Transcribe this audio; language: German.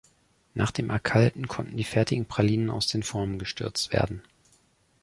Nach dem Erkalten konnten die fertigen Pralinen aus den Formen gestürzt werden.